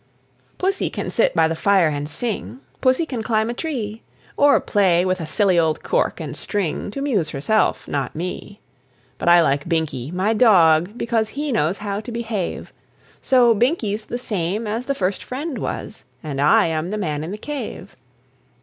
Pussy can sit by the fire and sing, Pussy can climb a tree, Or play with a silly old cork and string To 'muse herself, not me. But I like Binkie, my dog, because He knows how to behave; So, Binkie's the same as the First Friend was, And I am the Man in the Cave.